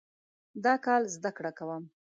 دا کال زده کړه کوم